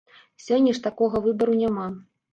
Сёння ж такога выбару няма.